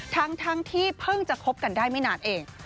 ทั้งที่เพิ่งจะคบกันได้ไม่นานเอง